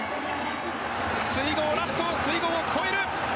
水濠ラストの水濠を越える。